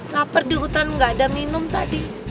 laper di hutan ga ada minum tadi